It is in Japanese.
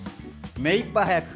目いっぱい速く。